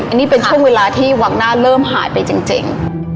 อันนี้เป็นช่วงเวลาที่วังหน้าเริ่มหายไปจริง